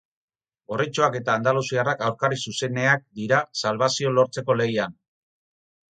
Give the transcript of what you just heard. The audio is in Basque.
Gorritxoak eta andaluziarrak aurkari zuzeneak dira salbazioa lortzeko lehian.